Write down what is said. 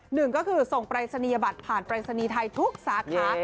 หนึ่งก็คือส่งปรายศนียบัตรผ่านปรายศนีย์ไทยทุกสาขา